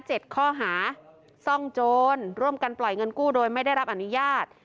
ข้อหาซ่องโจรร่วมกันปล่อยเงินกู้โดยไม่ได้รับอนุญาต